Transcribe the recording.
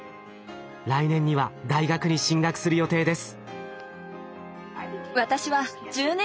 来年には大学に進学する予定です。